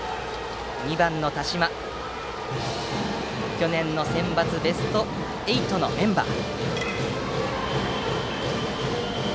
２番の田嶋は去年のセンバツベスト８のメンバー。